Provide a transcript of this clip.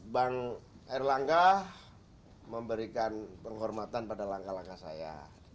bank air langkah memberikan penghormatan pada langkah langkah saya